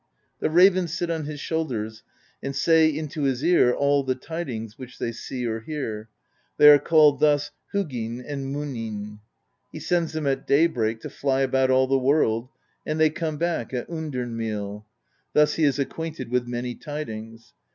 The ravens sit on his shoulders and say into his ear all the tidings which they see or hear; they are called thus: Hu ginn^ and Muninn.^ He sends them at day break to fly about all the world, and they come back at undern meal; thus he is acquainted with many tidings.